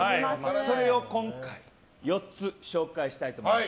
それを今回４つ紹介したいと思います。